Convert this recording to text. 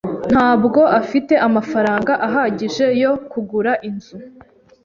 ntabwo afite amafaranga ahagije yo kugura inzu.